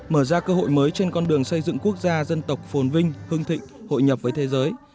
mở ra cơ hội mới trên con đường xây dựng quốc gia dân tộc phồn vinh hương thịnh hội nhập với thế giới